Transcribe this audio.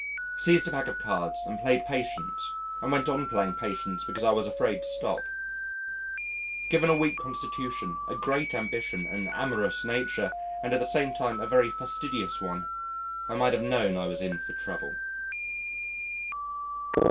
Seized a pack of cards and played Patience and went on playing Patience because I was afraid to stop. Given a weak constitution, a great ambition, an amorous nature, and at the same time a very fastidious one, I might have known I was in for trouble.